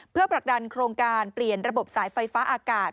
เพื่อผลักดันโครงการเปลี่ยนระบบสายไฟฟ้าอากาศ